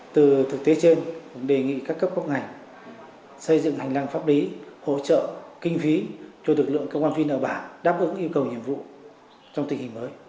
từ thực tế trên đề nghị các cấp quốc ngành xây dựng hành lang pháp lý hỗ trợ kinh phí cho lực lượng công an viên ở bản đáp ứng yêu cầu nhiệm vụ trong tình hình mới